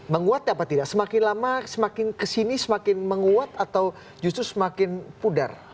menguat ya apa tidak semakin lama semakin kesini semakin menguat atau justru semakin pudar